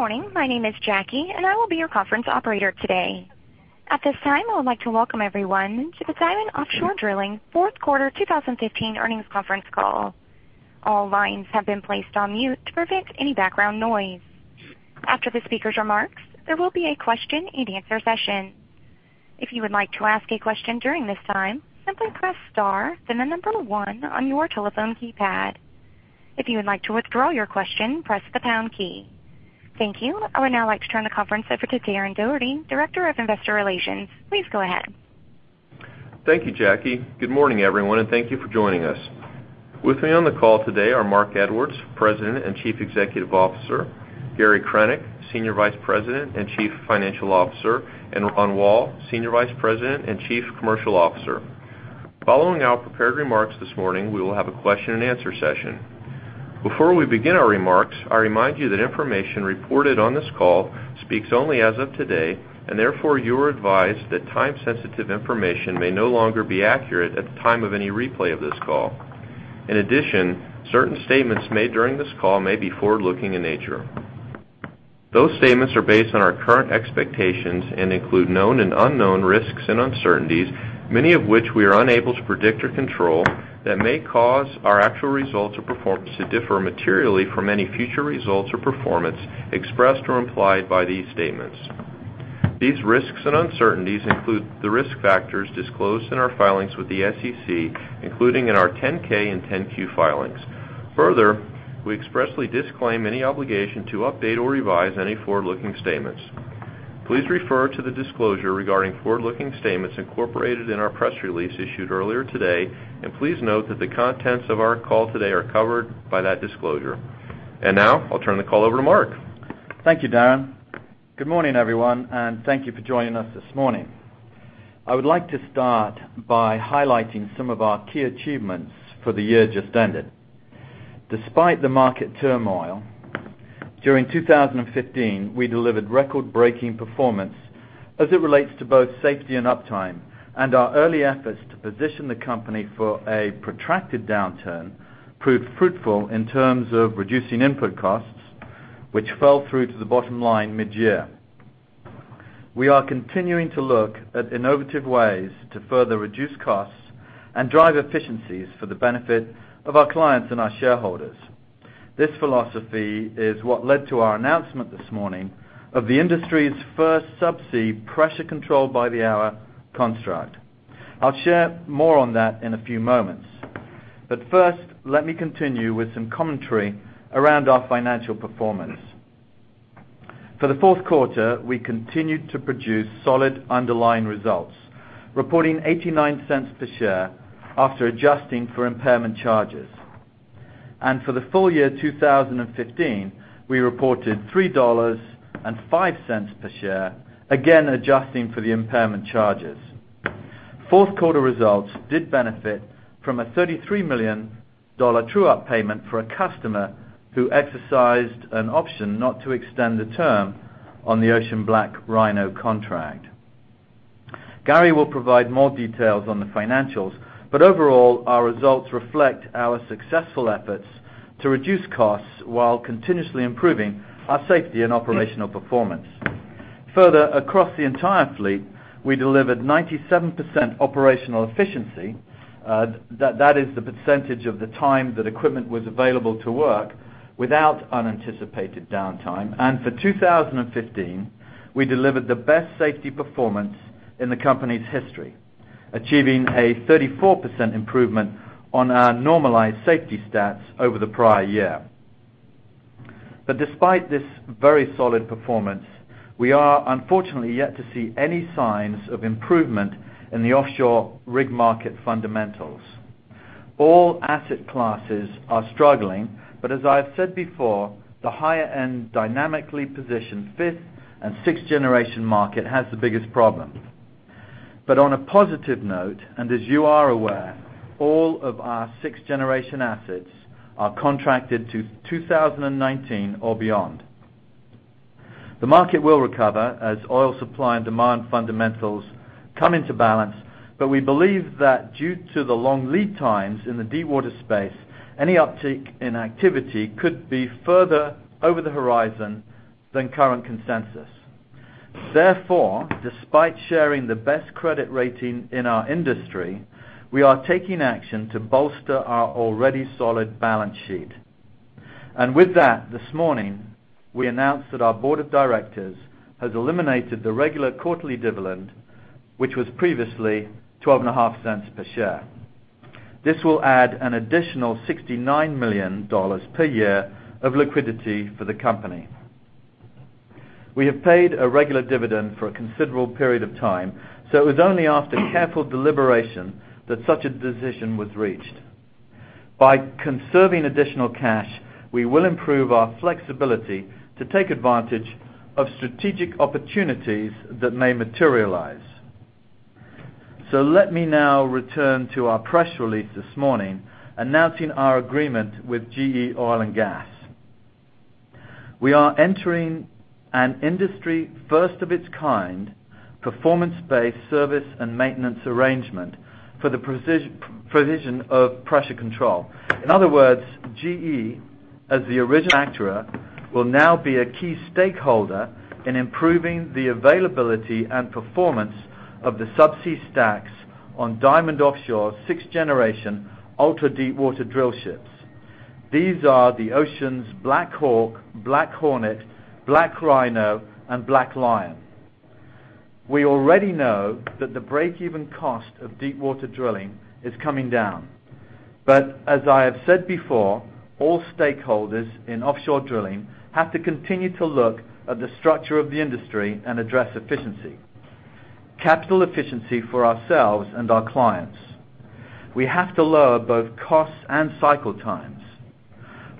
Good morning. My name is Jackie, and I will be your conference operator today. At this time, I would like to welcome everyone to the Diamond Offshore Drilling fourth quarter 2015 earnings conference call. All lines have been placed on mute to prevent any background noise. After the speaker's remarks, there will be a question-and-answer session. If you would like to ask a question during this time, simply press star then the number 1 on your telephone keypad. If you would like to withdraw your question, press the pound key. Thank you. I would now like to turn the conference over to Darren Doherty, Director of Investor Relations. Please go ahead. Thank you, Jackie. Good morning, everyone, thank you for joining us. With me on the call today are Marc Edwards, President and Chief Executive Officer, Gary Krenek, Senior Vice President and Chief Financial Officer, and Ron Woll, Senior Vice President and Chief Commercial Officer. Following our prepared remarks this morning, we will have a question-and-answer session. Before we begin our remarks, I remind you that information reported on this call speaks only as of today, therefore, you are advised that time-sensitive information may no longer be accurate at the time of any replay of this call. Certain statements made during this call may be forward-looking in nature. Those statements are based on our current expectations include known and unknown risks and uncertainties, many of which we are unable to predict or control that may cause our actual results or performance to differ materially from any future results or performance expressed or implied by these statements. These risks and uncertainties include the risk factors disclosed in our filings with the SEC, including in our 10-K and 10-Q filings. We expressly disclaim any obligation to update or revise any forward-looking statements. Please refer to the disclosure regarding forward-looking statements incorporated in our press release issued earlier today, please note that the contents of our call today are covered by that disclosure. Now, I'll turn the call over to Marc. Thank you, Darren. Good morning, everyone, thank you for joining us this morning. I would like to start by highlighting some of our key achievements for the year just ended. Despite the market turmoil, during 2015, we delivered record-breaking performance as it relates to both safety and uptime, our early efforts to position the company for a protracted downturn proved fruitful in terms of reducing input costs, which fell through to the bottom line mid-year. We are continuing to look at innovative ways to further reduce costs and drive efficiencies for the benefit of our clients and our shareholders. This philosophy is what led to our announcement this morning of the industry's first subsea Pressure Control by the Hour construct. I'll share more on that in a few moments. First, let me continue with some commentary around our financial performance. For the fourth quarter, we continued to produce solid underlying results, reporting $0.89 per share after adjusting for impairment charges. For the full year 2015, we reported $3.05 per share, again, adjusting for the impairment charges. Fourth quarter results did benefit from a $33 million true-up payment for a customer who exercised an option not to extend the term on the Ocean BlackRhino contract. Gary will provide more details on the financials, overall, our results reflect our successful efforts to reduce costs while continuously improving our safety and operational performance. Across the entire fleet, we delivered 97% operational efficiency, that is the percentage of the time that equipment was available to work without unanticipated downtime. For 2015, we delivered the best safety performance in the company's history, achieving a 34% improvement on our normalized safety stats over the prior year. Despite this very solid performance, we are unfortunately yet to see any signs of improvement in the offshore rig market fundamentals. All asset classes are struggling, as I have said before, the higher-end dynamically positioned fifth- and sixth-generation market has the biggest problem. On a positive note, as you are aware, all of our sixth-generation assets are contracted to 2019 or beyond. The market will recover as oil supply and demand fundamentals come into balance, we believe that due to the long lead times in the deepwater space, any uptick in activity could be further over the horizon than current consensus. Despite sharing the best credit rating in our industry, we are taking action to bolster our already solid balance sheet. With that, this morning, we announced that our board of directors has eliminated the regular quarterly dividend, which was previously $0.125 per share. This will add an additional $69 million per year of liquidity for the company. We have paid a regular dividend for a considerable period of time, it was only after careful deliberation that such a decision was reached. By conserving additional cash, we will improve our flexibility to take advantage of strategic opportunities that may materialize. Let me now return to our press release this morning announcing our agreement with GE Oil & Gas. An industry first of its kind, performance-based service and maintenance arrangement for the provision of pressure control. In other words, GE, as the original actor, will now be a key stakeholder in improving the availability and performance of the subsea stacks on Diamond Offshore's sixth-generation ultra-deepwater drill ships. These are the Ocean BlackHawk, BlackHornet, BlackRhino, and BlackLion. We already know that the break-even cost of deepwater drilling is coming down. As I have said before, all stakeholders in offshore drilling have to continue to look at the structure of the industry and address efficiency, capital efficiency for ourselves and our clients. We have to lower both costs and cycle times.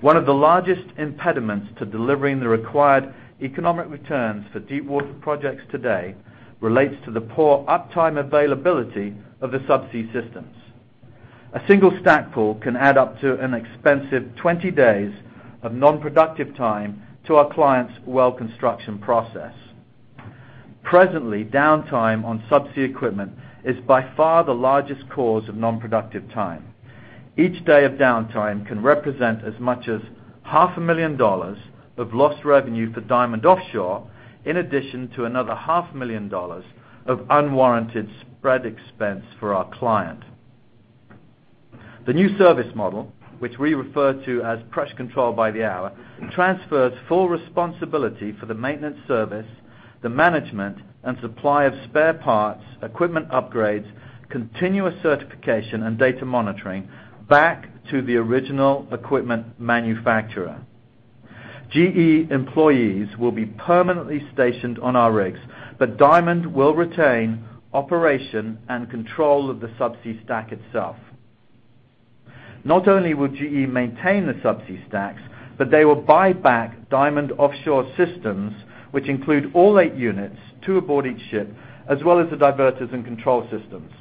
One of the largest impediments to delivering the required economic returns for deepwater projects today relates to the poor uptime availability of the subsea systems. A single stack pull can add up to an expensive 20 days of non-productive time to our clients' well construction process. Presently, downtime on subsea equipment is by far the largest cause of non-productive time. Each day of downtime can represent as much as half a million dollars of lost revenue for Diamond Offshore, in addition to another half a million dollars of unwarranted spread expense for our client. The new service model, which we refer to as Pressure Control by the Hour, transfers full responsibility for the maintenance service, the management, and supply of spare parts, equipment upgrades, continuous certification, and data monitoring back to the original equipment manufacturer. GE employees will be permanently stationed on our rigs, but Diamond will retain operation and control of the subsea stack itself. Not only will GE maintain the subsea stacks, but they will buy back Diamond Offshore systems, which include all eight units, two aboard each ship, as well as the diverters and control systems.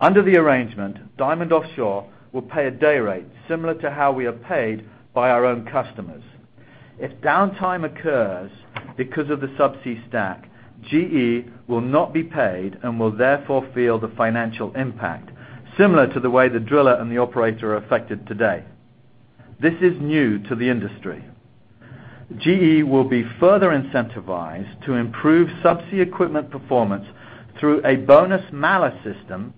Under the arrangement, Diamond Offshore will pay a day rate similar to how we are paid by our own customers. If downtime occurs because of the subsea stack, GE will not be paid and will therefore feel the financial impact, similar to the way the driller and the operator are affected today. This is new to the industry. GE will be further incentivized to improve subsea equipment performance through a bonus-malus system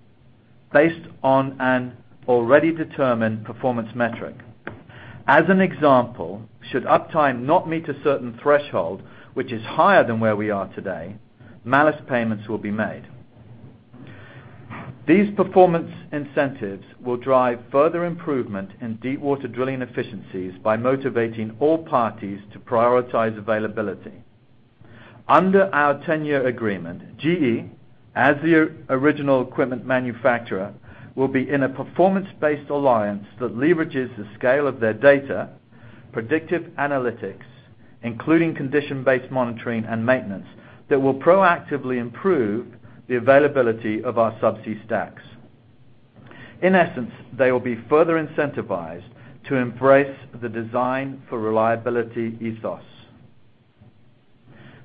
based on an already determined performance metric. As an example, should uptime not meet a certain threshold, which is higher than where we are today, malus payments will be made. These performance incentives will drive further improvement in deepwater drilling efficiencies by motivating all parties to prioritize availability. Under our 10-year agreement, GE, as the original equipment manufacturer, will be in a performance-based alliance that leverages the scale of their data, predictive analytics, including condition-based monitoring and maintenance, that will proactively improve the availability of our subsea stacks. In essence, they will be further incentivized to embrace the design for reliability ethos.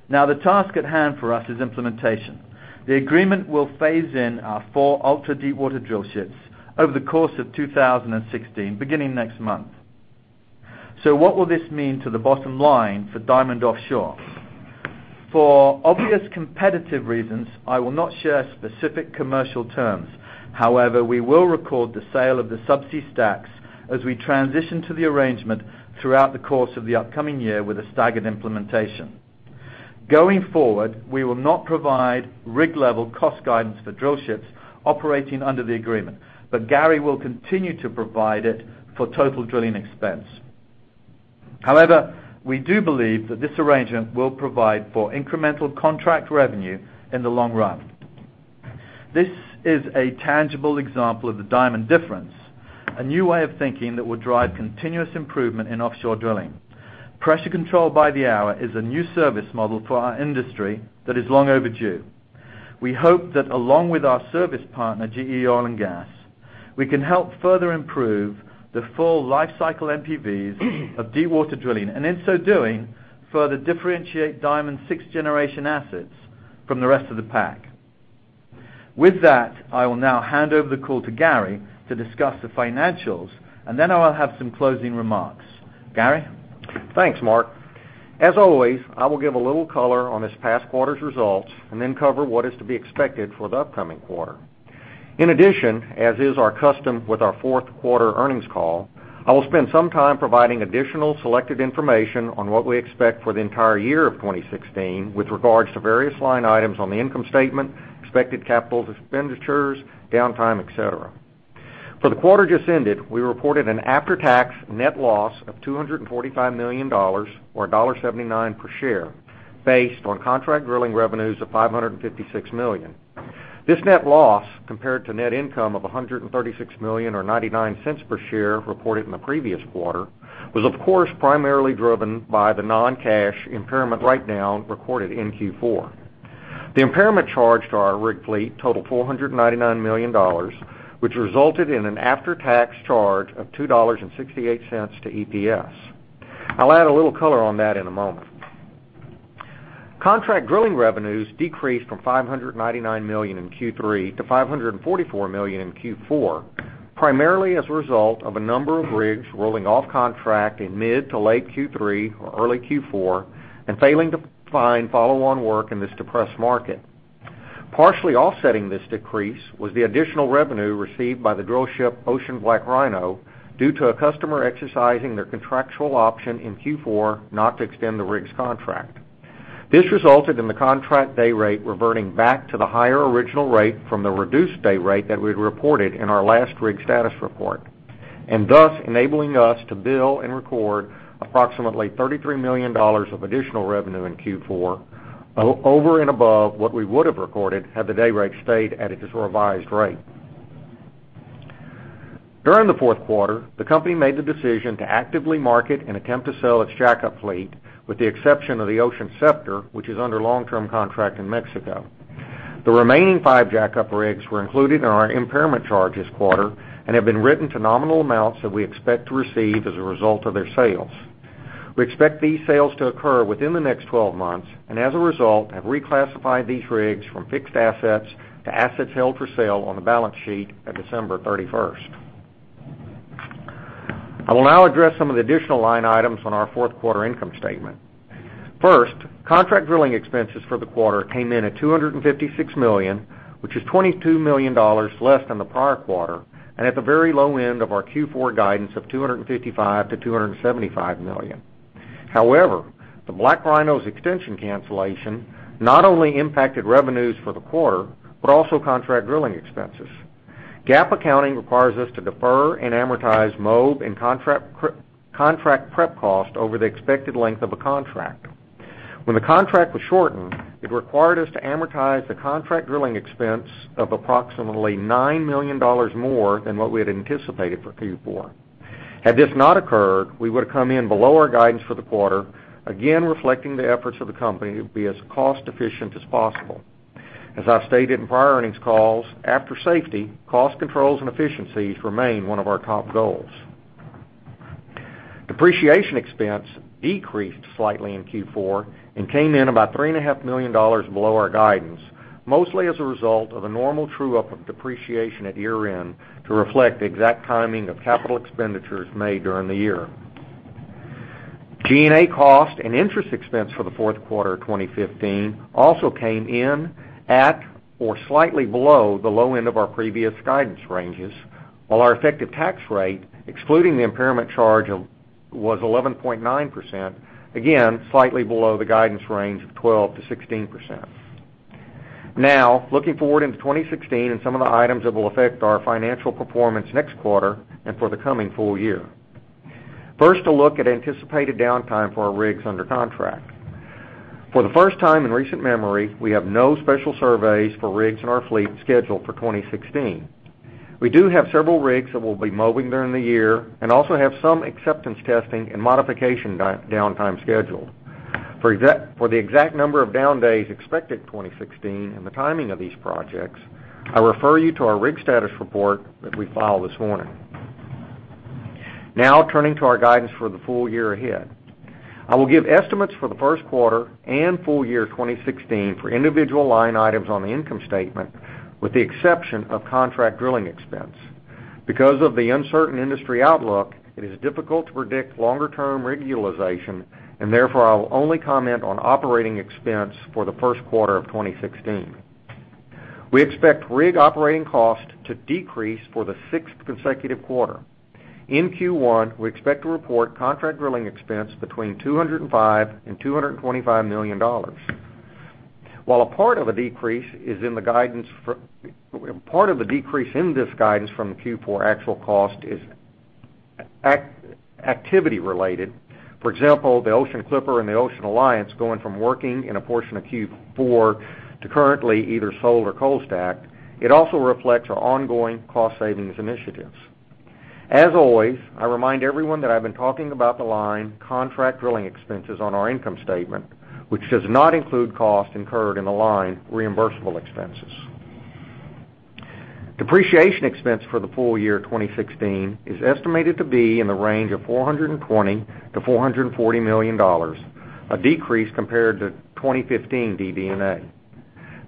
The task at hand for us is implementation. The agreement will phase in our four ultra-deepwater drill ships over the course of 2016, beginning next month. What will this mean to the bottom line for Diamond Offshore? For obvious competitive reasons, I will not share specific commercial terms. We will record the sale of the subsea stacks as we transition to the arrangement throughout the course of the upcoming year with a staggered implementation. Going forward, we will not provide rig-level cost guidance for drill ships operating under the agreement. Gary will continue to provide it for total drilling expense. We do believe that this arrangement will provide for incremental contract revenue in the long run. This is a tangible example of the Diamond difference, a new way of thinking that will drive continuous improvement in offshore drilling. Pressure Control by the Hour is a new service model for our industry that is long overdue. We hope that along with our service partner, GE Oil & Gas, we can help further improve the full lifecycle NPVs of deepwater drilling, and in so doing, further differentiate Diamond's sixth-generation assets from the rest of the pack. With that, I will now hand over the call to Gary to discuss the financials, and then I will have some closing remarks. Gary? Thanks, Marc. As always, I will give a little color on this past quarter's results and then cover what is to be expected for the upcoming quarter. In addition, as is our custom with our fourth quarter earnings call, I will spend some time providing additional selected information on what we expect for the entire year of 2016 with regards to various line items on the income statement, expected CapEx, downtime, et cetera. For the quarter just ended, we reported an after-tax net loss of $245 million, or $1.79 per share, based on contract drilling revenues of $556 million. This net loss, compared to net income of $136 million, or $0.99 per share, reported in the previous quarter, was, of course, primarily driven by the non-cash impairment write-down recorded in Q4. The impairment charge to our rig fleet totaled $499 million, which resulted in an after-tax charge of $2.68 to EPS. I will add a little color on that in a moment. Contract drilling revenues decreased from $599 million in Q3 to $544 million in Q4, primarily as a result of a number of rigs rolling off contract in mid to late Q3 or early Q4 and failing to find follow-on work in this depressed market. Partially offsetting this decrease was the additional revenue received by the drillship Ocean BlackRhino due to a customer exercising their contractual option in Q4 not to extend the rig's contract. This resulted in the contract day rate reverting back to the higher original rate from the reduced day rate that we had reported in our last rig status report, and thus enabling us to bill and record approximately $33 million of additional revenue in Q4, over and above what we would have recorded had the day rate stayed at its revised rate. During the fourth quarter, the company made the decision to actively market and attempt to sell its jack-up fleet, with the exception of the Ocean Scepter, which is under long-term contract in Mexico. The remaining five jack-up rigs were included in our impairment charge this quarter and have been written to nominal amounts that we expect to receive as a result of their sales. We expect these sales to occur within the next 12 months, and as a result, have reclassified these rigs from fixed assets to assets held for sale on the balance sheet at December 31st. I will now address some of the additional line items on our fourth quarter income statement. First, contract drilling expenses for the quarter came in at $256 million, which is $22 million less than the prior quarter, and at the very low end of our Q4 guidance of $255 million-$275 million. The BlackRhino's extension cancellation not only impacted revenues for the quarter, but also contract drilling expenses. GAAP accounting requires us to defer and amortize MOB and contract prep cost over the expected length of a contract. When the contract was shortened, it required us to amortize the contract drilling expense of approximately $9 million more than what we had anticipated for Q4. Had this not occurred, we would have come in below our guidance for the quarter, again reflecting the efforts of the company to be as cost-efficient as possible. As I've stated in prior earnings calls, after safety, cost controls and efficiencies remain one of our top goals. Depreciation expense decreased slightly in Q4 and came in about $3.5 million below our guidance, mostly as a result of a normal true-up of depreciation at year-end to reflect the exact timing of capital expenditures made during the year. G&A cost and interest expense for the fourth quarter of 2015 also came in at or slightly below the low end of our previous guidance ranges, while our effective tax rate, excluding the impairment charge, was 11.9%, again, slightly below the guidance range of 12%-16%. Looking forward into 2016 and some of the items that will affect our financial performance next quarter and for the coming full year. First, a look at anticipated downtime for our rigs under contract. For the first time in recent memory, we have no special surveys for rigs in our fleet scheduled for 2016. We do have several rigs that will be MOBing during the year and also have some acceptance testing and modification downtime scheduled. For the exact number of down days expected in 2016 and the timing of these projects, I refer you to our rig status report that we filed this morning. Turning to our guidance for the full year ahead. I will give estimates for the first quarter and full year 2016 for individual line items on the income statement, with the exception of contract drilling expense. Because of the uncertain industry outlook, it is difficult to predict longer-term rig utilization, and therefore, I will only comment on operating expense for the first quarter of 2016. We expect rig operating cost to decrease for the sixth consecutive quarter. In Q1, we expect to report contract drilling expense between $205 million and $225 million. While a part of the decrease in this guidance from Q4 actual cost is activity-related, for example, the Ocean Clipper and the Ocean Alliance going from working in a portion of Q4 to currently either sold or cold stacked, it also reflects our ongoing cost savings initiatives. As always, I remind everyone that I've been talking about the line contract drilling expenses on our income statement, which does not include costs incurred in the line reimbursable expenses. Depreciation expense for the full year 2016 is estimated to be in the range of $420 million-$440 million, a decrease compared to 2015 DD&A.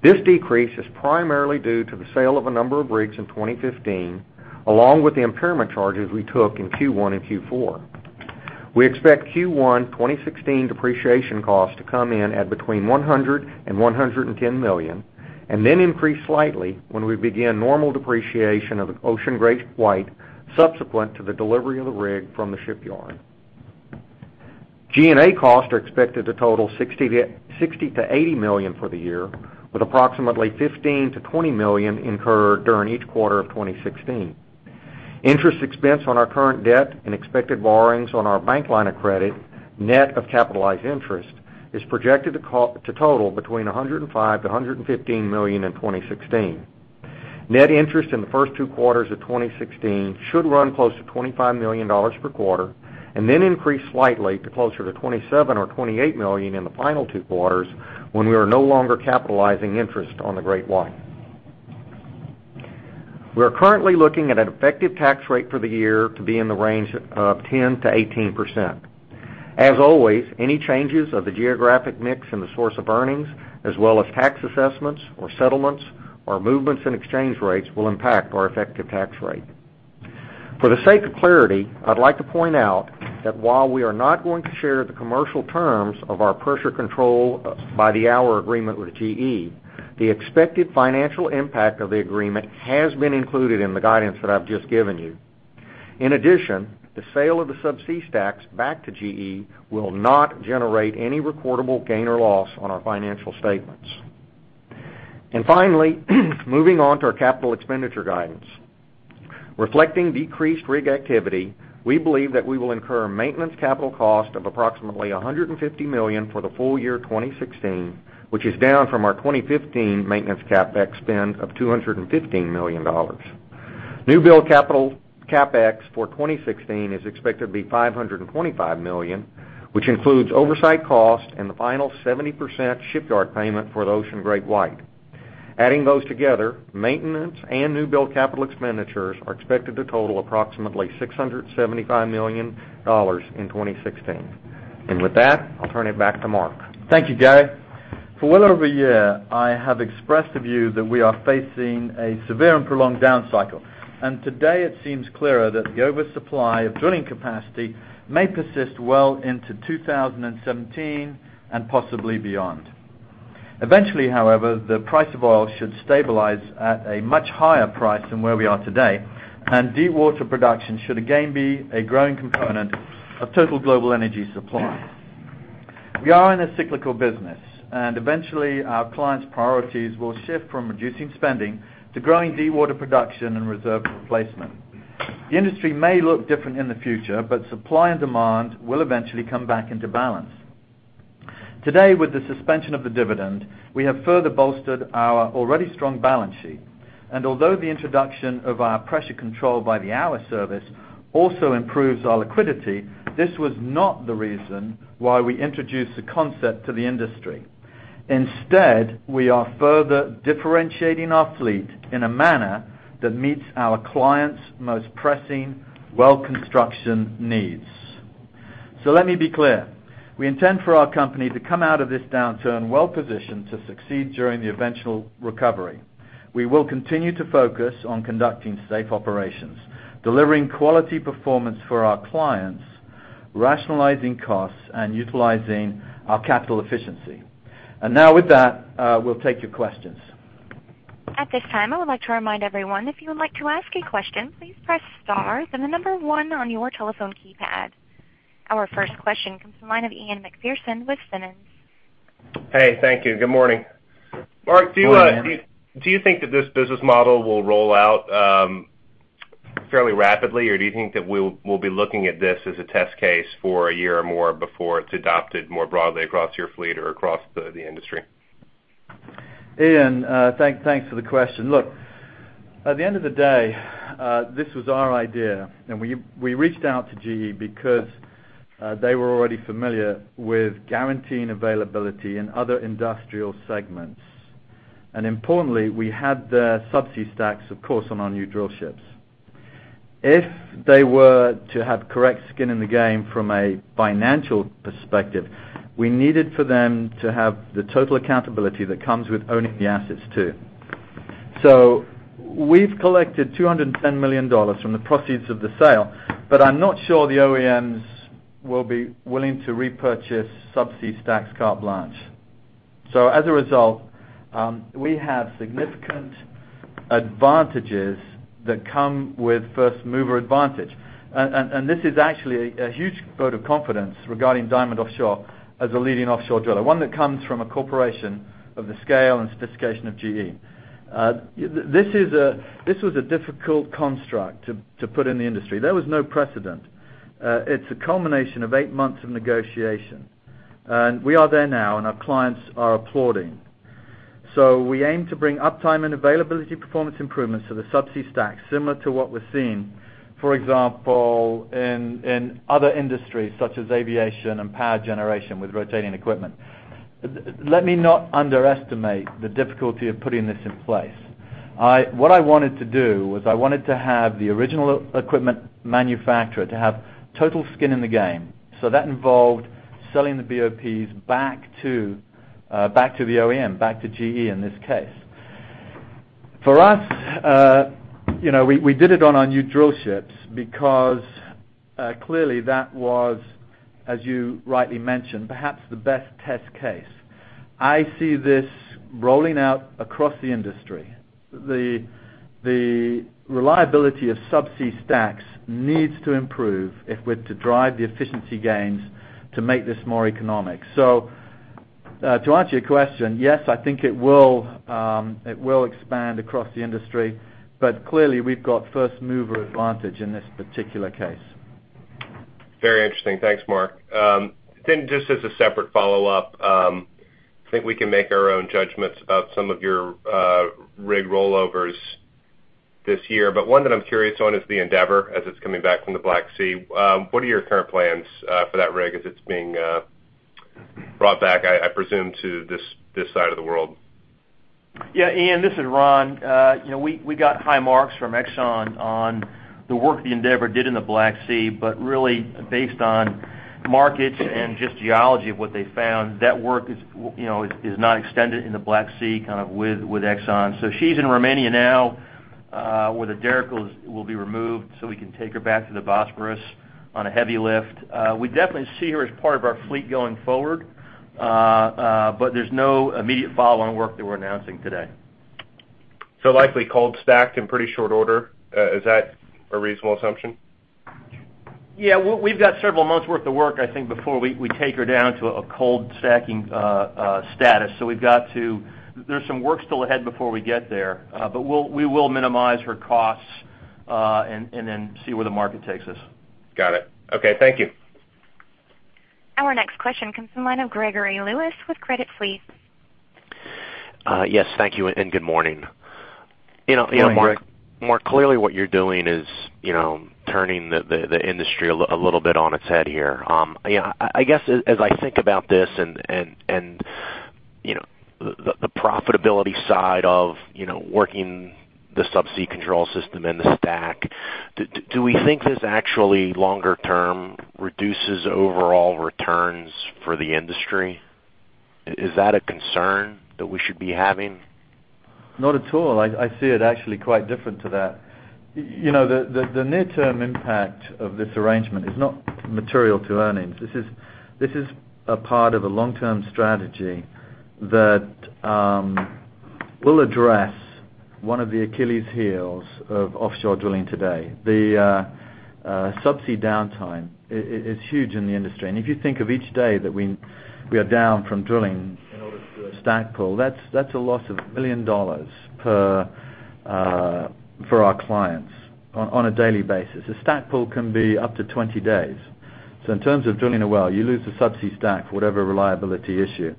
This decrease is primarily due to the sale of a number of rigs in 2015, along with the impairment charges we took in Q1 and Q4. We expect Q1 2016 depreciation costs to come in at between $100 million and $110 million and then increase slightly when we begin normal depreciation of Ocean GreatWhite subsequent to the delivery of the rig from the shipyard. G&A costs are expected to total $60 million-$80 million for the year, with approximately $15 million-$20 million incurred during each quarter of 2016. Interest expense on our current debt and expected borrowings on our bank line of credit, net of capitalized interest, is projected to total between $105 million and $115 million in 2016. Net interest in the first two quarters of 2016 should run close to $25 million per quarter, then increase slightly to closer to $27 million or $28 million in the final two quarters, when we are no longer capitalizing interest on the GreatWhite. We are currently looking at an effective tax rate for the year to be in the range of 10%-18%. As always, any changes of the geographic mix in the source of earnings, as well as tax assessments or settlements or movements in exchange rates, will impact our effective tax rate. For the sake of clarity, I'd like to point out that while we are not going to share the commercial terms of our Pressure Control by the Hour agreement with GE, the expected financial impact of the agreement has been included in the guidance that I've just given you. In addition, the sale of the subsea stacks back to GE will not generate any recordable gain or loss on our financial statements. Finally, moving on to our capital expenditure guidance. Reflecting decreased rig activity, we believe that we will incur a maintenance capital cost of approximately $150 million for the full year 2016, which is down from our 2015 maintenance CapEx spend of $215 million. New build capital CapEx for 2016 is expected to be $525 million, which includes oversight costs and the final 70% shipyard payment for the Ocean GreatWhite. Adding those together, maintenance and new build capital expenditures are expected to total approximately $675 million in 2016. With that, I'll turn it back to Marc. Thank you, Gary. For well over a year, I have expressed the view that we are facing a severe and prolonged down cycle. Today it seems clearer that the oversupply of drilling capacity may persist well into 2017 and possibly beyond. Eventually, however, the price of oil should stabilize at a much higher price than where we are today, and deepwater production should again be a growing component of total global energy supply. We are in a cyclical business, and eventually, our clients' priorities will shift from reducing spending to growing deepwater production and reserve replacement. The industry may look different in the future, but supply and demand will eventually come back into balance. Today, with the suspension of the dividend, we have further bolstered our already strong balance sheet. Although the introduction of our Pressure Control by the Hour service also improves our liquidity, this was not the reason why we introduced the concept to the industry. Instead, we are further differentiating our fleet in a manner that meets our clients' most pressing well construction needs. Let me be clear. We intend for our company to come out of this downturn well-positioned to succeed during the eventual recovery. We will continue to focus on conducting safe operations, delivering quality performance for our clients, rationalizing costs, and utilizing our capital efficiency. Now with that, we'll take your questions. At this time, I would like to remind everyone, if you would like to ask a question, please press star then the number 1 on your telephone keypad. Our first question comes from the line of Ian Macpherson with Simmons. Hey, thank you. Good morning. Morning, Ian. Marc, do you think that this business model will roll out fairly rapidly, or do you think that we'll be looking at this as a test case for a year or more before it's adopted more broadly across your fleet or across the industry? Ian, thanks for the question. Look, at the end of the day, this was our idea, we reached out to GE because they were already familiar with guaranteeing availability in other industrial segments. Importantly, we had their subsea stacks, of course, on our new drillships. If they were to have correct skin in the game from a financial perspective, we needed for them to have the total accountability that comes with owning the assets, too. We've collected $210 million from the proceeds of the sale, but I'm not sure the OEMs will be willing to repurchase subsea stacks carte blanche. As a result, we have significant advantages that come with first-mover advantage. This is actually a huge vote of confidence regarding Diamond Offshore as a leading offshore driller, one that comes from a corporation of the scale and sophistication of GE. This was a difficult construct to put in the industry. There was no precedent. It's a culmination of eight months of negotiation. We are there now, and our clients are applauding. We aim to bring uptime and availability performance improvements to the subsea stack, similar to what we're seeing, for example, in other industries such as aviation and power generation with rotating equipment. Let me not underestimate the difficulty of putting this in place. What I wanted to do was I wanted to have the original equipment manufacturer to have total skin in the game. That involved selling the BOPs back to the OEM, back to GE, in this case. For us, we did it on our new drillships because clearly that was, as you rightly mentioned, perhaps the best test case. I see this rolling out across the industry. The reliability of subsea stacks needs to improve if we're to drive the efficiency gains to make this more economic. To answer your question, yes, I think it will expand across the industry, but clearly, we've got first-mover advantage in this particular case. Very interesting. Thanks, Marc. Just as a separate follow-up, I think we can make our own judgments about some of your rig rollovers this year, but one that I'm curious on is the Endeavor, as it's coming back from the Black Sea. What are your current plans for that rig as it's being brought back, I presume, to this side of the world? Ian, this is Ron. We got high marks from Exxon on the work the Endeavor did in the Black Sea, really based on markets and just geology of what they found, that work is not extended in the Black Sea with Exxon. She's in Romania now, where the derrick will be removed, so we can take her back to the Bosporus on a heavy lift. We definitely see her as part of our fleet going forward. There's no immediate follow-on work that we're announcing today. Likely cold stacked in pretty short order. Is that a reasonable assumption? Yeah. We've got several months worth of work, I think, before we take her down to a cold stacking status. There's some work still ahead before we get there. We will minimize her costs, and then see where the market takes us. Got it. Okay. Thank you. Our next question comes from the line of Gregory Lewis with Credit Suisse. Yes. Thank you, and good morning. Good morning, Greg. Marc, clearly what you're doing is turning the industry a little bit on its head here. I guess, as I think about this and the profitability side of working the subsea control system and the stack, do we think this actually longer term reduces overall returns for the industry? Is that a concern that we should be having? Not at all. I see it actually quite different to that. The near-term impact of this arrangement is not material to earnings. This is a part of a long-term strategy that will address one of the Achilles heels of offshore drilling today. The subsea downtime is huge in the industry. If you think of each day that we are down from drilling in order to do a stack pull, that's a loss of $1 million for our clients on a daily basis. A stack pull can be up to 20 days. In terms of drilling a well, you lose the subsea stack, whatever reliability issue,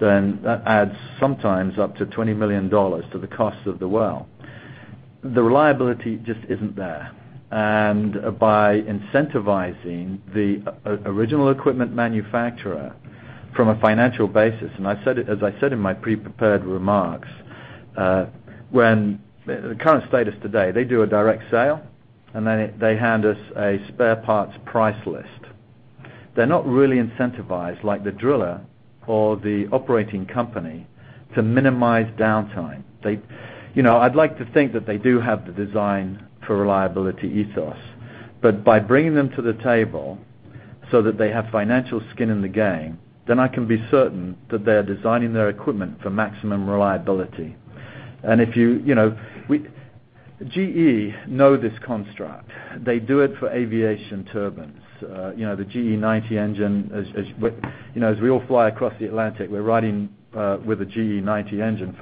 then that adds sometimes up to $20 million to the cost of the well. The reliability just isn't there. By incentivizing the original equipment manufacturer from a financial basis, as I said in my pre-prepared remarks, the current status today, they do a direct sale, and then they hand us a spare parts price list. They're not really incentivized like the driller or the operating company to minimize downtime. I'd like to think that they do have the design for reliability ethos. By bringing them to the table so that they have financial skin in the game, then I can be certain that they're designing their equipment for maximum reliability. GE know this construct. They do it for aviation turbines. The GE90 engine, as we all fly across the Atlantic, we're riding with a GE90 engine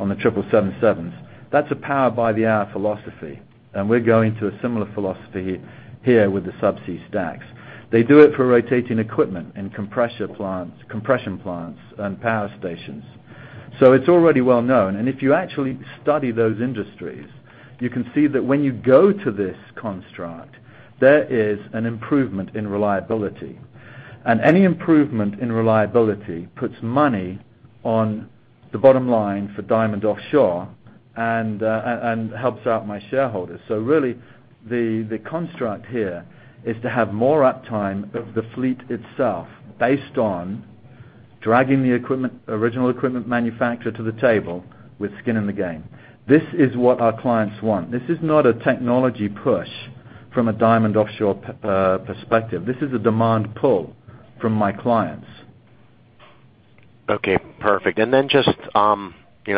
on the 777s. That's a Power by the Hour philosophy, and we're going to a similar philosophy here with the subsea stacks. They do it for rotating equipment in compression plants and power stations. It's already well-known, and if you actually study those industries, you can see that when you go to this construct, there is an improvement in reliability. Any improvement in reliability puts money on the bottom line for Diamond Offshore and helps out my shareholders. Really, the construct here is to have more uptime of the fleet itself based on dragging the original equipment manufacturer to the table with skin in the game. This is what our clients want. This is not a technology push from a Diamond Offshore perspective. This is a demand pull from my clients. Okay, perfect. Then just, I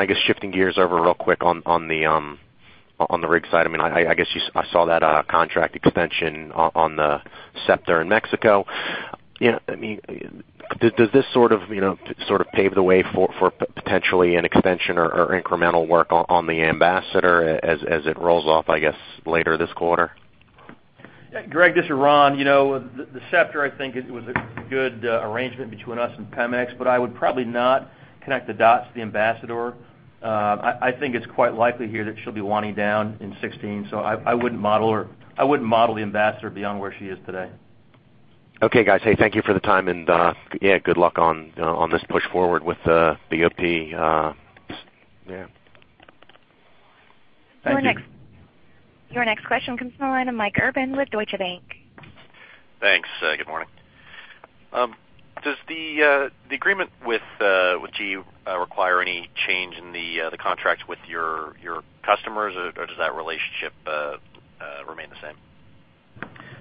guess, shifting gears over real quick on the rig side. I saw that contract extension on the Scepter in Mexico. Does this sort of pave the way for potentially an extension or incremental work on the Ambassador as it rolls off, I guess, later this quarter? Greg, this is Ron. The Scepter, I think it was a good arrangement between us and Pemex. I would probably not connect the dots to the Ambassador. I think it's quite likely here that she'll be wanting down in 2016. I wouldn't model the Ambassador beyond where she is today. Okay, guys. Hey, thank you for the time. Good luck on this push forward with BOP. Yeah. Thank you. Your next question comes from the line of Michael Urban with Deutsche Bank. Thanks. Good morning. Does the agreement with GE require any change in the contracts with your customers, or does that relationship remain the same?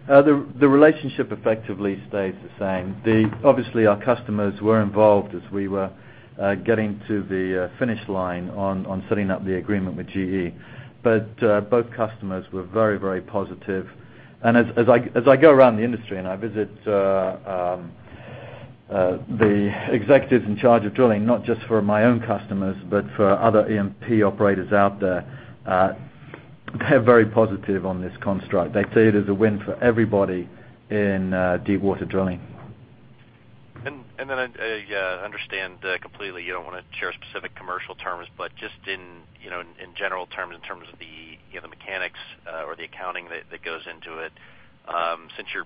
The relationship effectively stays the same. Obviously, our customers were involved as we were getting to the finish line on setting up the agreement with GE. Both customers were very positive. As I go around the industry and I visit The executives in charge of drilling, not just for my own customers, but for other E&P operators out there, they're very positive on this construct. They see it as a win for everybody in deepwater drilling. I understand completely you don't want to share specific commercial terms, but just in general terms, in terms of the mechanics or the accounting that goes into it, since you're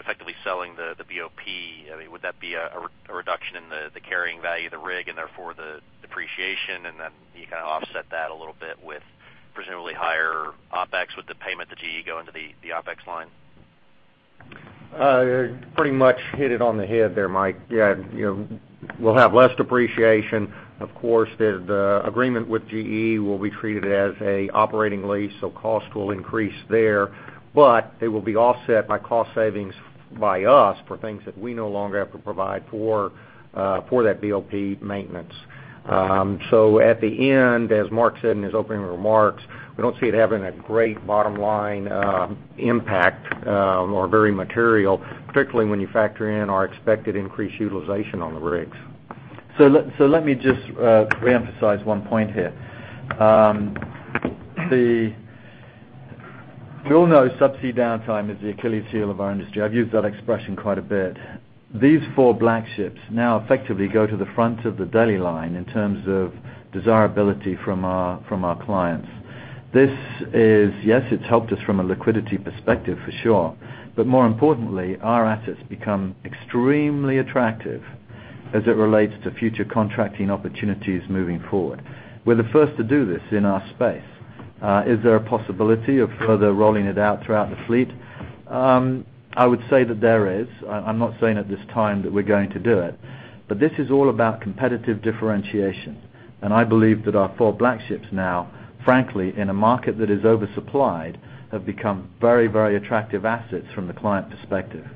effectively selling the BOP, would that be a reduction in the carrying value of the rig and therefore the depreciation? You kind of offset that a little bit with presumably higher OpEx with the payment to GE going to the OpEx line? You pretty much hit it on the head there, Mike. We'll have less depreciation. Of course, the agreement with GE will be treated as an operating lease, cost will increase there. It will be offset by cost savings by us for things that we no longer have to provide for that BOP maintenance. At the end, as Marc said in his opening remarks, we don't see it having a great bottom-line impact or very material, particularly when you factor in our expected increased utilization on the rigs. Let me just reemphasize one point here. We all know subsea downtime is the Achilles heel of our industry. I've used that expression quite a bit. These four Black ships now effectively go to the front of the daily line in terms of desirability from our clients. This is, yes, it's helped us from a liquidity perspective for sure. More importantly, our assets become extremely attractive as it relates to future contracting opportunities moving forward. We're the first to do this in our space. Is there a possibility of further rolling it out throughout the fleet? I would say that there is. I'm not saying at this time that we're going to do it. This is all about competitive differentiation. I believe that our four Black ships now, frankly, in a market that is oversupplied, have become very, very attractive assets from the client perspective.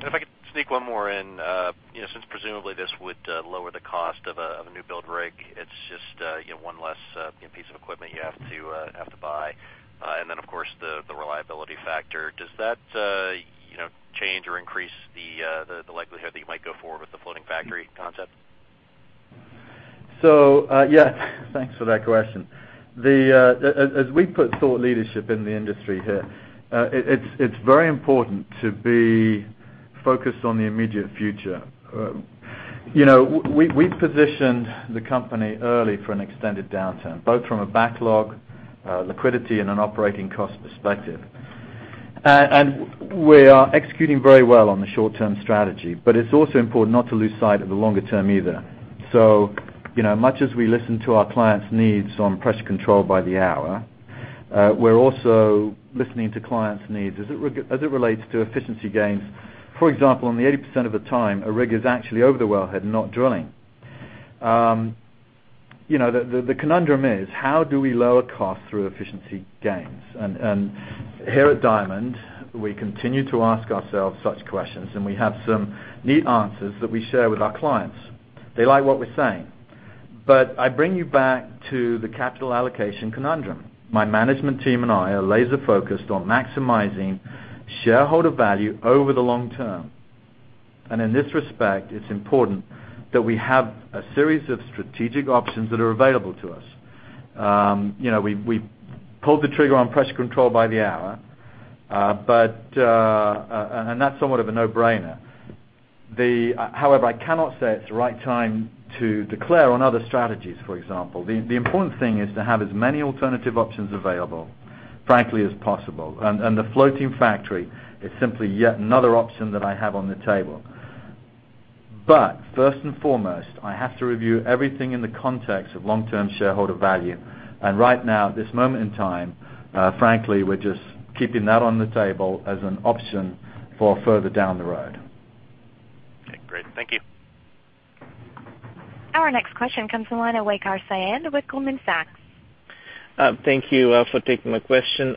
If I could sneak one more in. Since presumably this would lower the cost of a new build rig, it's just one less piece of equipment you have to buy. Then, of course, the reliability factor. Does that change or increase the likelihood that you might go forward with the Floating Factory concept? Thanks for that question. As we put thought leadership in the industry here, it's very important to be focused on the immediate future. We positioned the company early for an extended downturn, both from a backlog, liquidity, and an operating cost perspective. We are executing very well on the short-term strategy, it's also important not to lose sight of the longer term either. Much as we listen to our clients' needs on Pressure Control by the Hour, we're also listening to clients' needs as it relates to efficiency gains. For example, on the 80% of the time, a rig is actually over the wellhead and not drilling. The conundrum is, how do we lower costs through efficiency gains? Here at Diamond, we continue to ask ourselves such questions, and we have some neat answers that we share with our clients. They like what we're saying. I bring you back to the capital allocation conundrum. My management team and I are laser-focused on maximizing shareholder value over the long term. In this respect, it's important that we have a series of strategic options that are available to us. We pulled the trigger on Pressure Control by the Hour, that's somewhat of a no-brainer. However, I cannot say it's the right time to declare on other strategies, for example. The important thing is to have as many alternative options available, frankly, as possible. The Floating Factory is simply yet another option that I have on the table. First and foremost, I have to review everything in the context of long-term shareholder value. Right now, at this moment in time, frankly, we're just keeping that on the table as an option for further down the road. Okay, great. Thank you. Our next question comes from the line of Waqar Syed with Goldman Sachs. Thank you for taking my question.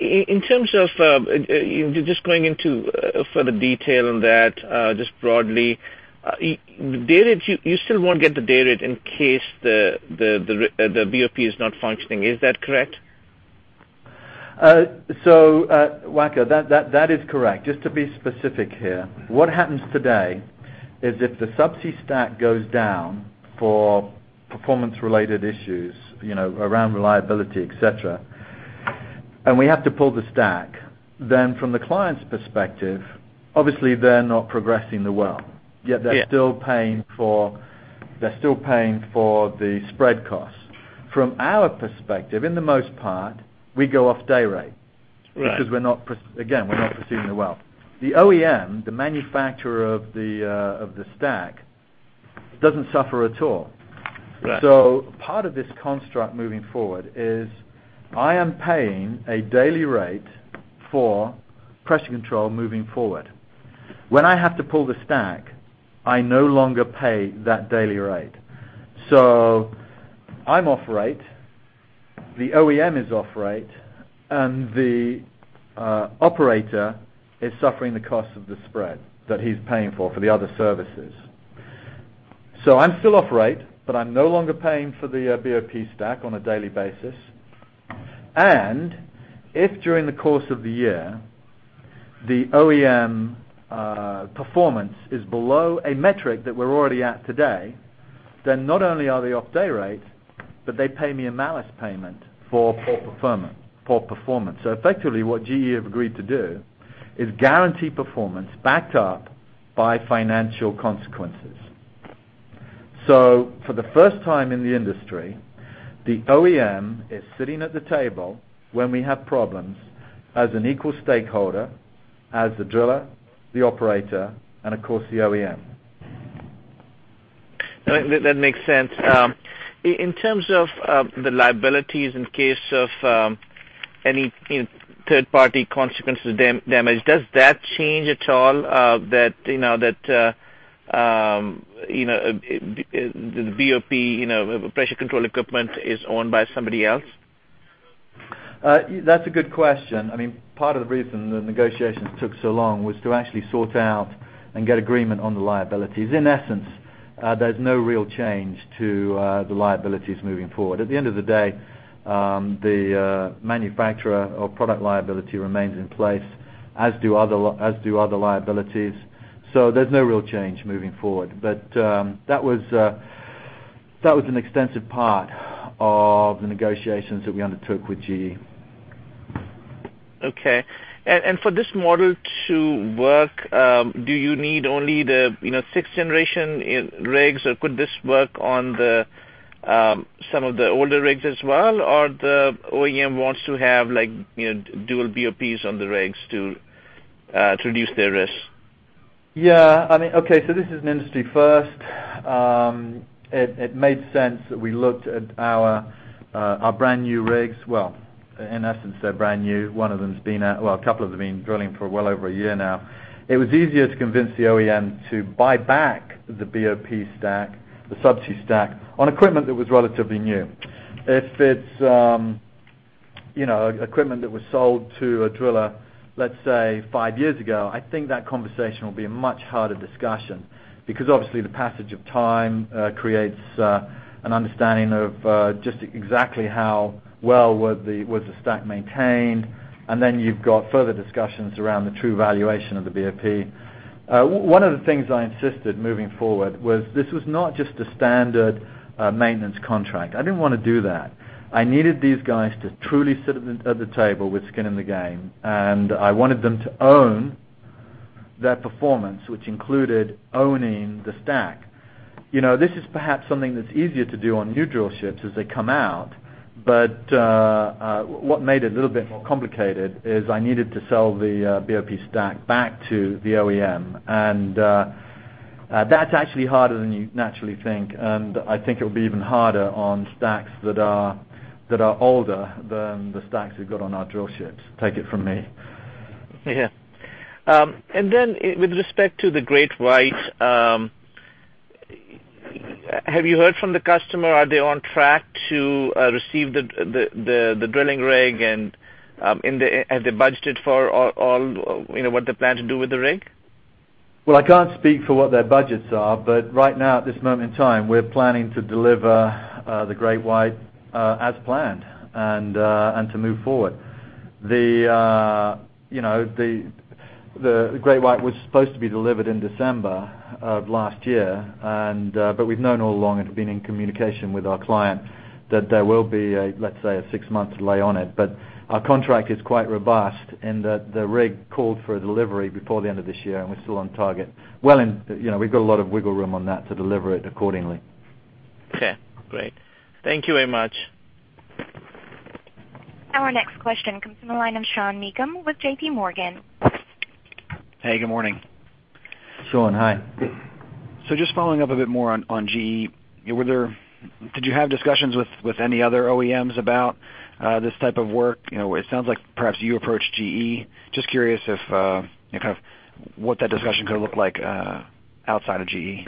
In terms of just going into further detail on that, just broadly, you still won't get the day rate in case the BOP is not functioning. Is that correct? Waqar, that is correct. Just to be specific here, what happens today is if the subsea stack goes down for performance-related issues around reliability, et cetera, and we have to pull the stack, then from the client's perspective, obviously, they're not progressing the well. Yeah. Yet they're still paying for the spread costs. From our perspective, in the most part, we go off day rate. Right. Again, we're not pursuing the well. The OEM, the manufacturer of the stack, doesn't suffer at all. Right. Part of this construct moving forward is I am paying a daily rate for pressure control moving forward. When I have to pull the stack, I no longer pay that daily rate. I'm off rate, the OEM is off rate, and the operator is suffering the cost of the spread that he's paying for the other services. I'm still off rate, but I'm no longer paying for the BOP stack on a daily basis. If during the course of the year, the OEM performance is below a metric that we're already at today, then not only are they off day rate, but they pay me a malus payment for poor performance. Effectively, what GE have agreed to do is guarantee performance backed up by financial consequences. For the first time in the industry, the OEM is sitting at the table when we have problems as an equal stakeholder, as the driller, the operator, and of course, the OEM. That makes sense. In terms of the liabilities in case of any third-party consequences damage, does that change at all? That the BOP pressure control equipment is owned by somebody else? That's a good question. Part of the reason the negotiations took so long was to actually sort out and get agreement on the liabilities. In essence, there's no real change to the liabilities moving forward. At the end of the day, the manufacturer or product liability remains in place, as do other liabilities. There's no real change moving forward. That was an extensive part of the negotiations that we undertook with GE. Okay. For this model to work, do you need only the 6th-generation rigs, or could this work on some of the older rigs as well? The OEM wants to have dual BOPs on the rigs to reduce their risk? This is an industry first. It made sense that we looked at our brand-new rigs. Well, in essence, they're brand new. A couple of them have been drilling for well over a year now. It was easier to convince the OEM to buy back the BOP stack, the subsea stack, on equipment that was relatively new. If it's equipment that was sold to a driller, let's say, five years ago, I think that conversation will be a much harder discussion, because obviously the passage of time creates an understanding of just exactly how well was the stack maintained, and then you've got further discussions around the true valuation of the BOP. One of the things I insisted moving forward was this was not just a standard maintenance contract. I didn't want to do that. I needed these guys to truly sit at the table with skin in the game, and I wanted them to own their performance, which included owning the stack. This is perhaps something that's easier to do on new drill ships as they come out, but what made it a little bit more complicated is I needed to sell the BOP stack back to the OEM. That's actually harder than you'd naturally think, and I think it'll be even harder on stacks that are older than the stacks we've got on our drill ships. Take it from me. Yeah. Then with respect to the GreatWhite, have you heard from the customer? Are they on track to receive the drilling rig, and have they budgeted for all what they plan to do with the rig? Well, I can't speak for what their budgets are, but right now, at this moment in time, we're planning to deliver the GreatWhite as planned and to move forward. The GreatWhite was supposed to be delivered in December of last year, but we've known all along and have been in communication with our client that there will be, let's say, a six-month delay on it. Our contract is quite robust in that the rig called for a delivery before the end of this year, and we're still on target. We've got a lot of wiggle room on that to deliver it accordingly. Okay, great. Thank you very much. Our next question comes from the line of Sean Meakim with JPMorgan. Hey, good morning. Sean, hi. Just following up a bit more on GE. Did you have discussions with any other OEMs about this type of work? It sounds like perhaps you approached GE. Just curious what that discussion could have looked like outside of GE.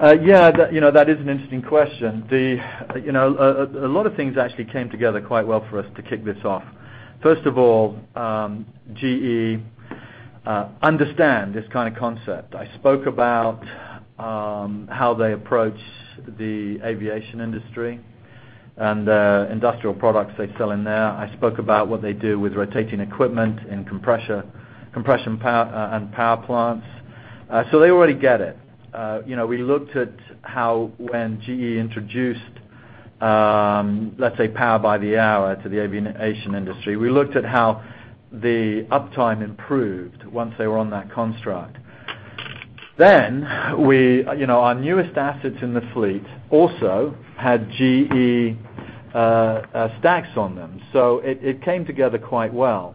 Yeah, that is an interesting question. A lot of things actually came together quite well for us to kick this off. First of all, GE understand this kind of concept. I spoke about how they approach the aviation industry and the industrial products they sell in there. I spoke about what they do with rotating equipment in compression and power plants. They already get it. We looked at how when GE introduced, let's say, Power by the Hour to the aviation industry. We looked at how the uptime improved once they were on that construct. Our newest assets in the fleet also had GE stacks on them. It came together quite well.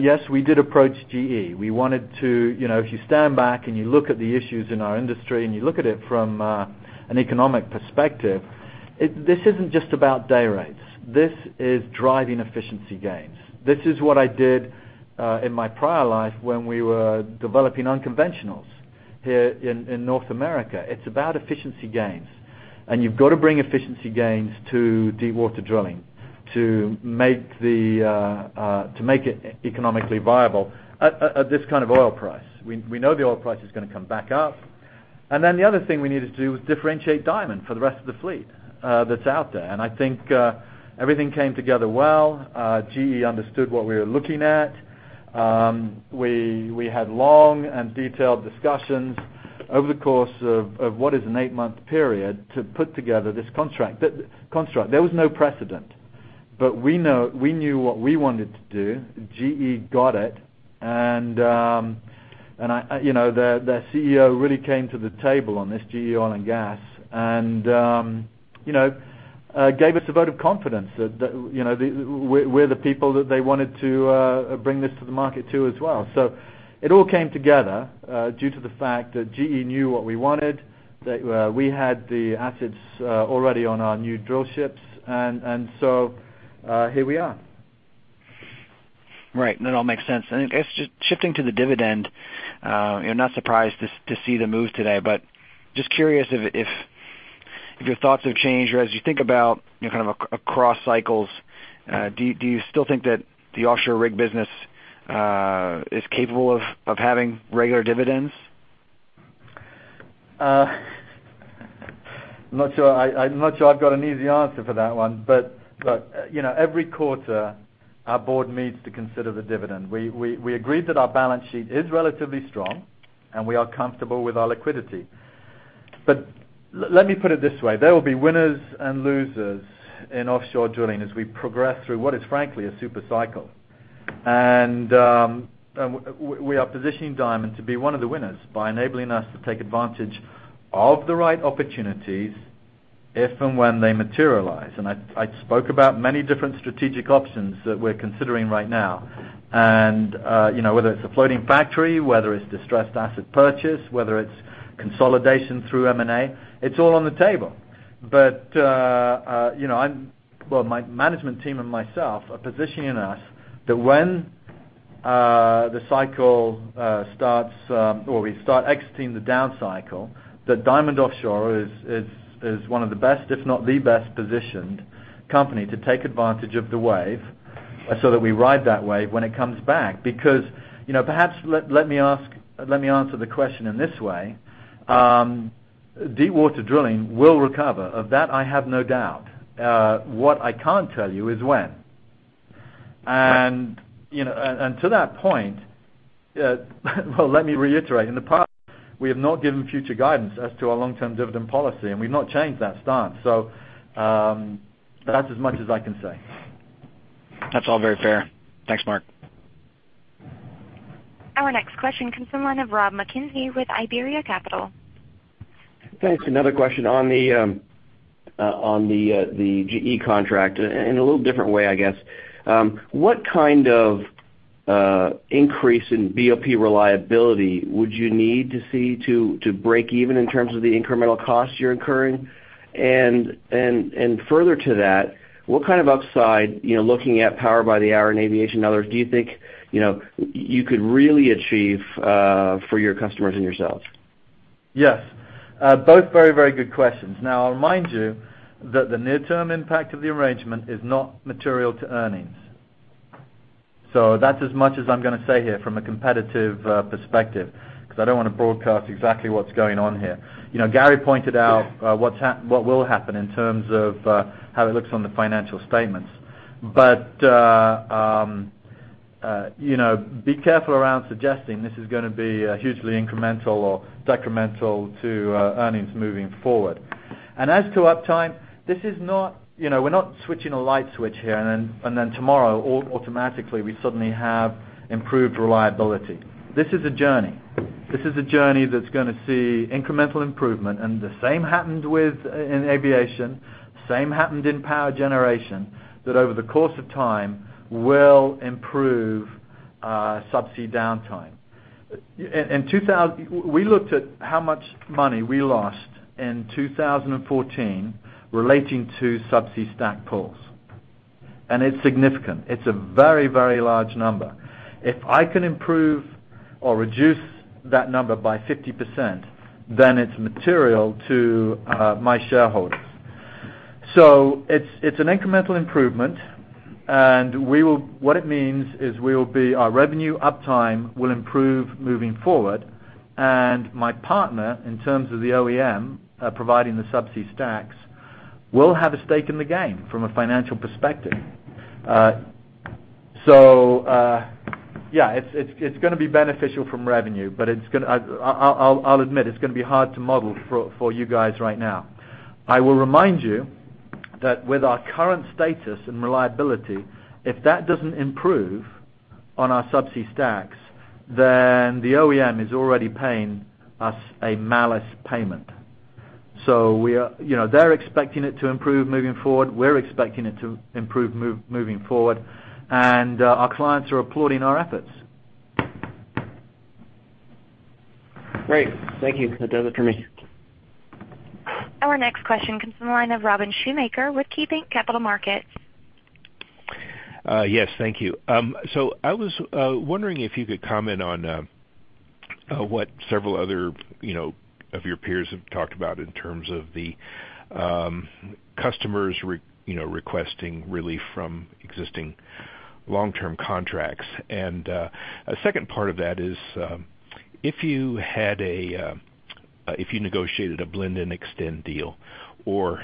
Yes, we did approach GE. If you stand back and you look at the issues in our industry and you look at it from an economic perspective, this isn't just about day rates. This is driving efficiency gains. This is what I did in my prior life when we were developing unconventionals here in North America. It's about efficiency gains. You've got to bring efficiency gains to deep water drilling to make it economically viable at this kind of oil price. We know the oil price is going to come back up. The other thing we needed to do was differentiate Diamond for the rest of the fleet that's out there. I think everything came together well. GE understood what we were looking at. We had long and detailed discussions over the course of what is an eight-month period to put together this contract. There was no precedent, but we knew what we wanted to do. GE got it. Their CEO really came to the table on this, GE Oil & Gas, and gave us a vote of confidence that we're the people that they wanted to bring this to the market too as well. It all came together due to the fact that GE knew what we wanted, that we had the assets already on our new drill ships. Here we are. Right. No, it all makes sense. I guess, just shifting to the dividend, I'm not surprised to see the move today, but just curious if your thoughts have changed or as you think about kind of across cycles, do you still think that the offshore rig business is capable of having regular dividends? I'm not sure I've got an easy answer for that one. Every quarter, our board meets to consider the dividend. We agreed that our balance sheet is relatively strong, and we are comfortable with our liquidity. Let me put it this way, there will be winners and losers in offshore drilling as we progress through what is frankly a super cycle. We are positioning Diamond to be one of the winners by enabling us to take advantage of the right opportunities if and when they materialize. I spoke about many different strategic options that we're considering right now. Whether it's a Floating Factory, whether it's distressed asset purchase, whether it's consolidation through M&A, it's all on the table. My management team and myself are positioning us that when the cycle starts, or we start exiting the down cycle, that Diamond Offshore is one of the best, if not the best positioned company to take advantage of the wave so that we ride that wave when it comes back. Perhaps, let me answer the question in this way. Deep water drilling will recover. Of that, I have no doubt. What I can't tell you is when. Right. To that point, well, let me reiterate. In the past, we have not given future guidance as to our long-term dividend policy, and we've not changed that stance. That's as much as I can say. That's all very fair. Thanks, Marc. Our next question comes from the line of Rob MacKenzie with Iberia Capital. Thanks. Another question on the GE contract in a little different way, I guess. Further to that, what kind of increase in BOP reliability would you need to see to break even in terms of the incremental costs you're incurring? What kind of upside, looking at Power-by-the-Hour and aviation and others, do you think you could really achieve for your customers and yourselves? Yes. Both very good questions. I'll remind you that the near-term impact of the arrangement is not material to earnings. That's as much as I'm going to say here from a competitive perspective, because I don't want to broadcast exactly what's going on here. Gary pointed out what will happen in terms of how it looks on the financial statements. Be careful around suggesting this is going to be hugely incremental or decremental to earnings moving forward. As to uptime, we're not switching a light switch here, then tomorrow, automatically, we suddenly have improved reliability. This is a journey. This is a journey that's going to see incremental improvement. The same happened in aviation, same happened in power generation, that over the course of time will improve subsea downtime. We looked at how much money we lost in 2014 relating to subsea stacks. It's significant. It's a very large number. If I can improve or reduce that number by 50%, it's material to my shareholders. It's an incremental improvement, what it means is our revenue uptime will improve moving forward. My partner, in terms of the OEM providing the subsea stacks, will have a stake in the game from a financial perspective. Yeah, it's going to be beneficial from revenue, but I'll admit, it's going to be hard to model for you guys right now. I will remind you that with our current status and reliability, if that doesn't improve on our subsea stacks, the OEM is already paying us a malus payment. They're expecting it to improve moving forward. We're expecting it to improve moving forward. Our clients are applauding our efforts. Great. Thank you. That does it for me. Our next question comes from the line of Robin Shoemaker with KeyBanc Capital Markets. Yes. Thank you. I was wondering if you could comment on what several other of your peers have talked about in terms of the customers requesting relief from existing long-term contracts. A second part of that is, if you negotiated a blend-and-extend deal, or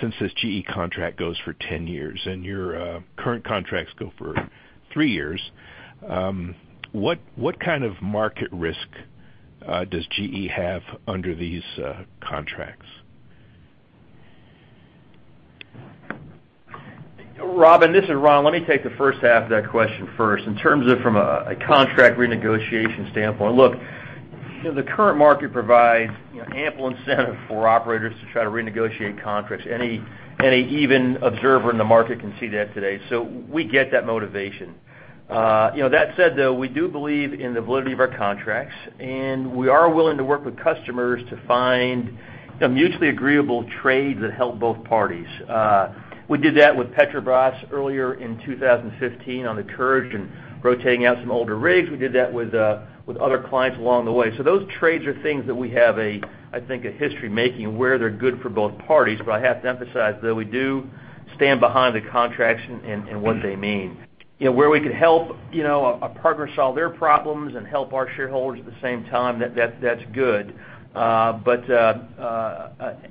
since this GE contract goes for 10 years and your current contracts go for three years, what kind of market risk does GE have under these contracts? Robin, this is Ron. Let me take the first half of that question first. In terms of from a contract renegotiation standpoint, look, the current market provides ample incentive for operators to try to renegotiate contracts. Any even observer in the market can see that today. We get that motivation. That said, though, we do believe in the validity of our contracts, and we are willing to work with customers to find mutually agreeable trades that help both parties. We did that with Petrobras earlier in 2015 on the Ocean Courage, and rotating out some older rigs. We did that with other clients along the way. Those trades are things that we have a, I think, a history making where they're good for both parties. I have to emphasize, though, we do stand behind the contracts and what they mean. Where we could help a partner solve their problems and help our shareholders at the same time, that's good. Absent,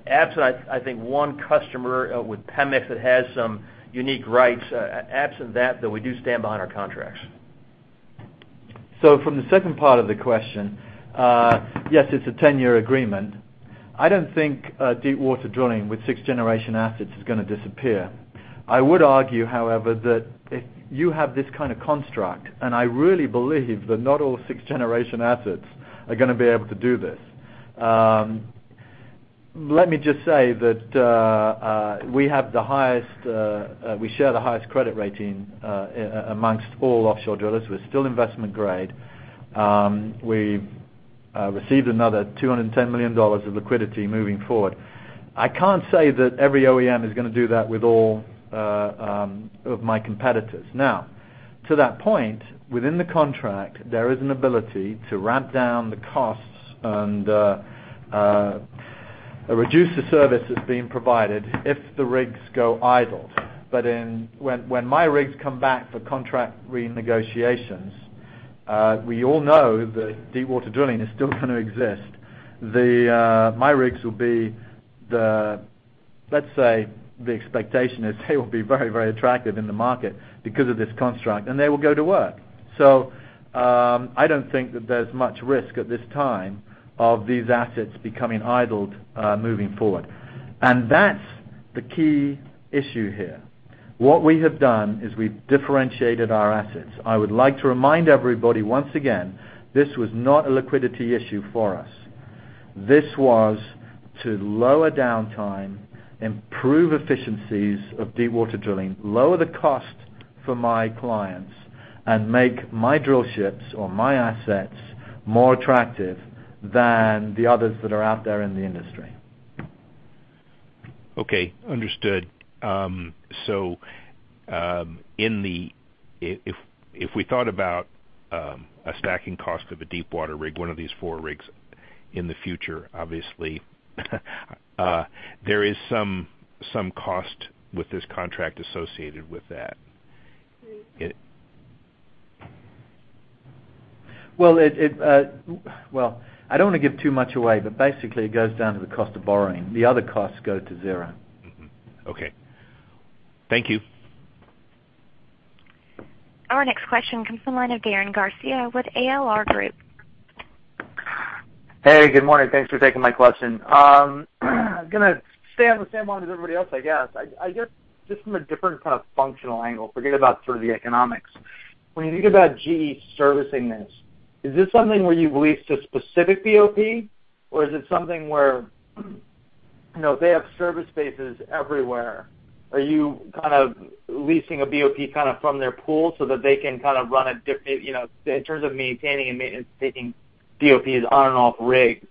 I think, one customer with Pemex that has some unique rights. Absent that, though, we do stand behind our contracts. From the second part of the question, yes, it's a 10-year agreement. I don't think deepwater drilling with sixth-generation assets is going to disappear. I would argue, however, that if you have this kind of construct, and I really believe that not all sixth-generation assets are going to be able to do this. Let me just say that we share the highest credit rating amongst all offshore drillers. We're still investment grade. We've received another $210 million of liquidity moving forward. I can't say that every OEM is going to do that with all of my competitors. Now, to that point, within the contract, there is an ability to ramp down the costs and reduce the services being provided if the rigs go idle. When my rigs come back for contract renegotiations, we all know that deepwater drilling is still going to exist. My rigs will be the, let's say, the expectation is they will be very, very attractive in the market because of this construct, and they will go to work. I don't think that there's much risk at this time of these assets becoming idled moving forward. That's the key issue here. What we have done is we've differentiated our assets. I would like to remind everybody once again, this was not a liquidity issue for us. This was to lower downtime, improve efficiencies of deepwater drilling, lower the cost for my clients, and make my drillships or my assets more attractive than the others that are out there in the industry. Okay. Understood. If we thought about a stacking cost of a deepwater rig, one of these four rigs in the future, obviously, there is some cost with this contract associated with that. I don't want to give too much away, but basically, it goes down to the cost of borrowing. The other costs go to zero. Okay. Thank you. Our next question comes from the line of Darren Gacicia with KLR Group. Hey, good morning. Thanks for taking my question. I'm gonna stay on the same line as everybody else, I guess. I guess just from a different kind of functional angle, forget about sort of the economics. When you think about GE servicing this, is this something where you've leased a specific BOP, or is it something where, they have service bases everywhere. Are you kind of leasing a BOP from their pool so that they can run a different, in terms of maintaining and taking BOPs on and off rigs?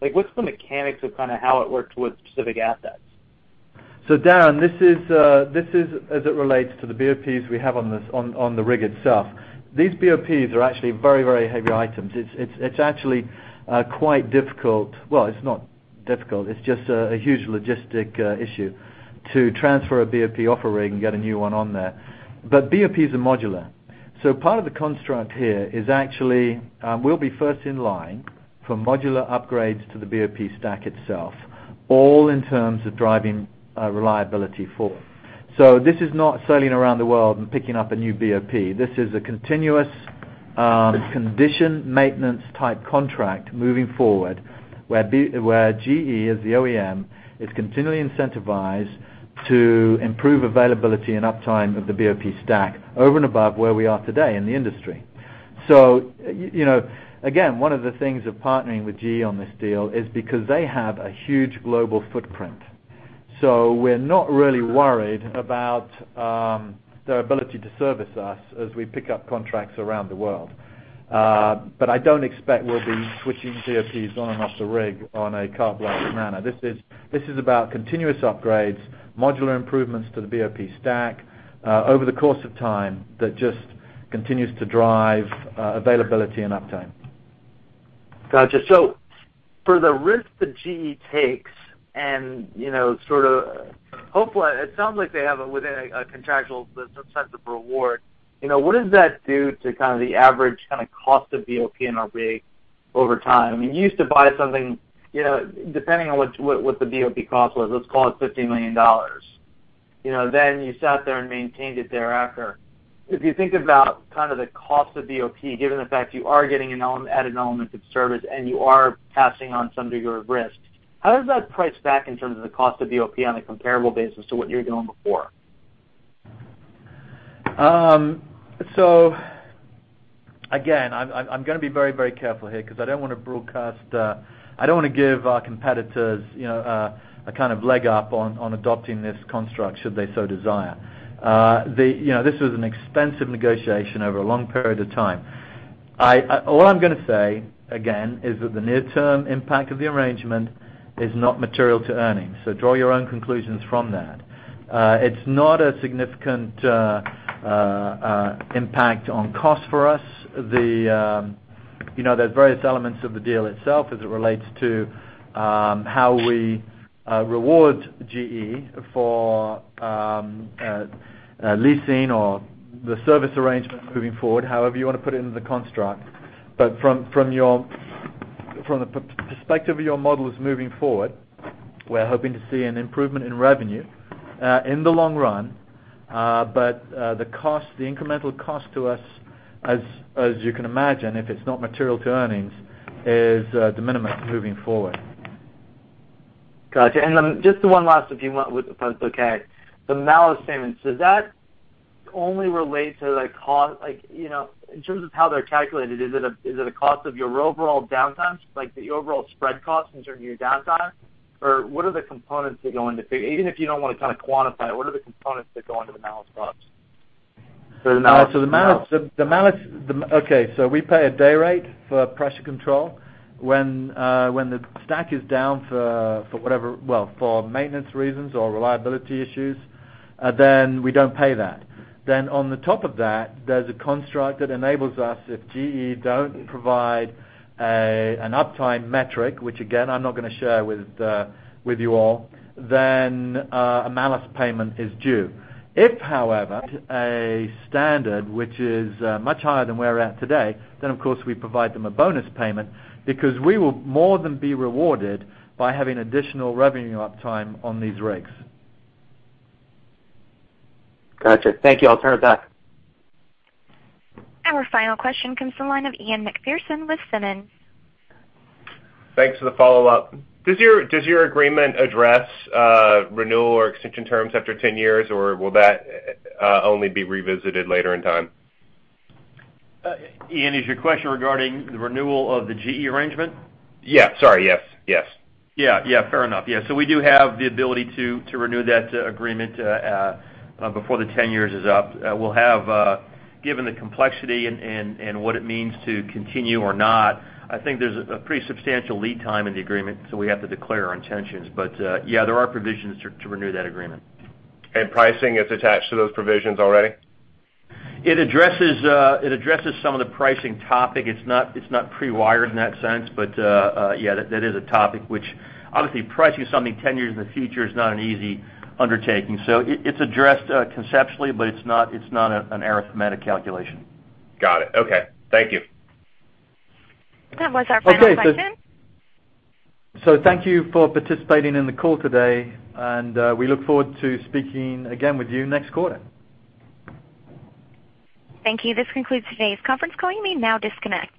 What's the mechanics of how it works with specific assets? Darren, this is as it relates to the BOPs we have on the rig itself. These BOPs are actually very, very heavy items. It's actually quite difficult, it's not difficult, it's just a huge logistic issue to transfer a BOP off a rig and get a new one on there. BOPs are modular. Part of the construct here is actually, we'll be first in line for modular upgrades to the BOP stack itself, all in terms of driving reliability forward. This is not sailing around the world and picking up a new BOP. This is a continuous condition maintenance type contract moving forward, where GE, as the OEM, is continually incentivized to improve availability and uptime of the BOP stack over and above where we are today in the industry. Again, one of the things of partnering with GE on this deal is because they have a huge global footprint. We're not really worried about their ability to service us as we pick up contracts around the world. I don't expect we'll be switching BOPs on and off the rig on a carte blanche manner. This is about continuous upgrades, modular improvements to the BOP stack, over the course of time, that just continues to drive availability and uptime. Got you. For the risk that GE takes, hopefully, it sounds like they have within a contractual, some sense of reward. What does that do to the average cost of BOP in a rig over time? You used to buy something, depending on what the BOP cost was, let's call it $15 million. Then you sat there and maintained it thereafter. If you think about the cost of BOP, given the fact you are getting added element of service, and you are passing on some degree of risk, how does that price back in terms of the cost of BOP on a comparable basis to what you were doing before? Again, I'm going to be very careful here because I don't want to give our competitors a kind of leg up on adopting this construct should they so desire. This was an expensive negotiation over a long period of time. All I'm going to say, again, is that the near-term impact of the arrangement is not material to earnings. Draw your own conclusions from that. It's not a significant impact on cost for us. There's various elements of the deal itself as it relates to how we reward GE for leasing or the service arrangements moving forward. However you want to put it into the construct. From the perspective of your models moving forward, we're hoping to see an improvement in revenue, in the long run. The incremental cost to us, as you can imagine, if it's not material to earnings, is de minimis moving forward. Got you. Just the one last, if you want, if that's okay. The malus payments. Does that only relate to the cost in terms of how they're calculated, is it a cost of your overall downtime? Like the overall spread cost in terms of your downtime? What are the components that go into Even if you don't want to kind of quantify it, what are the components that go into the malus clause? We pay a day rate for pressure control. When the stack is down for maintenance reasons or reliability issues, we don't pay that. On the top of that, there's a construct that enables us if GE doesn't provide an uptime metric, which again, I'm not going to share with you all, a malus payment is due. If, however, a standard which is much higher than we're at today, of course we provide them a bonus payment because we will more than be rewarded by having additional revenue uptime on these rigs. Got you. Thank you. I'll turn it back. Our final question comes to the line of Ian Macpherson with Simmons. Thanks for the follow-up. Does your agreement address renewal or extension terms after 10 years, or will that only be revisited later in time? Ian, is your question regarding the renewal of the GE arrangement? Yeah. Sorry. Yes. Yeah. Fair enough. We do have the ability to renew that agreement before the 10 years is up. Given the complexity and what it means to continue or not, I think there's a pretty substantial lead time in the agreement, we have to declare our intentions. Yeah, there are provisions to renew that agreement. Pricing is attached to those provisions already? It addresses some of the pricing topic. It's not pre-wired in that sense. Yeah, that is a topic which, obviously pricing something 10 years in the future is not an easy undertaking. It's addressed conceptually, but it's not an arithmetic calculation. Got it. Okay. Thank you. That was our final question. Thank you for participating in the call today, and we look forward to speaking again with you next quarter. Thank you. This concludes today's conference call. You may now disconnect.